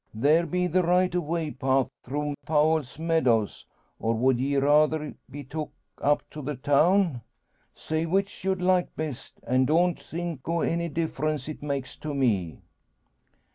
There be the right o' way path through Powell's meadows. Or would ye rather be took on up to the town? Say which you'd like best, an' don't think o' any difference it makes to me."